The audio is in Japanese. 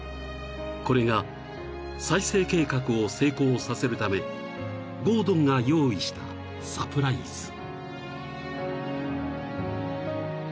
これが再生計画を成功させるためゴードンが用意したサプライズ］さあ。